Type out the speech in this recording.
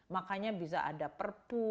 makanya bisa ada perpu